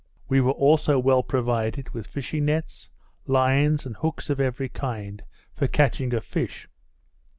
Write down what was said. We were also well provided with fishing nets, lines, and hooks of every kind for catching of fish.